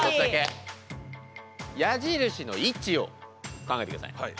矢印の位置を考えてください。